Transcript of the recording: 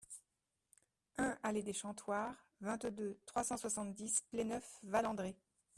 un allée des Chantoirs, vingt-deux, trois cent soixante-dix, Pléneuf-Val-André